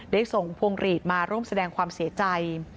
ได้ส่งพวงหลีดมาร่วมแสดงความเสียใจ